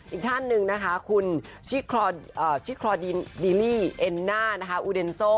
อีกท่านหนึ่งคุณชิคลอดิลลี่เอนน่าอูเดนโซ